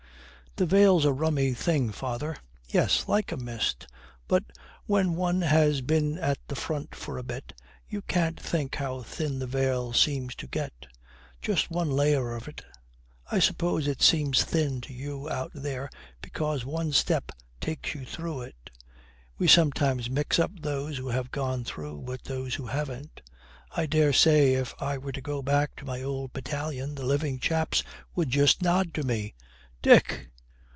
'The veil's a rummy thing, father. Yes, like a mist. But when one has been at the Front for a bit, you can't think how thin the veil seems to get; just one layer of it. I suppose it seems thin to you out there because one step takes you through it. We sometimes mix up those who have gone through with those who haven't. I daresay if I were to go back to my old battalion the living chaps would just nod to me.' 'Dick!'